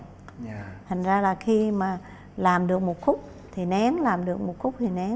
thành ra là khi mà làm được một khúc thì nén làm được một khúc thì nén